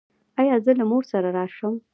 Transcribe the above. ایا زه له مور سره راشم؟